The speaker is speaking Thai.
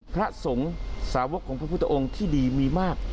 พระสงฆ์สาวกของพระพุทธองค์ที่ดีมีมาก